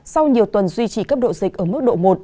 sau nhiều tuần duy trì cấp độ dịch ở mức độ một